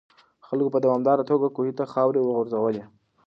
خلکو په دوامداره توګه کوهي ته خاورې غورځولې.